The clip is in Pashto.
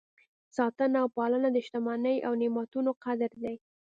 ساتنه او پالنه د شتمنۍ او نعمتونو قدر دی.